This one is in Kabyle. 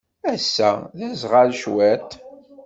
Ass-a, d aẓɣal cwiṭ.